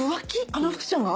あの福ちゃんが？